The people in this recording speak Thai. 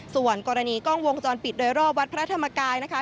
ส่วนกรณีกล้องวงจรปิดโดยรอบวัดพระธรรมกายนะคะ